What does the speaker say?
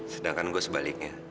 sedangkan gue sebaliknya